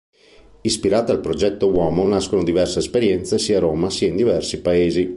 Ispirate al "Progetto Uomo" nascono diverse esperienze sia a Roma sia in diversi paesi.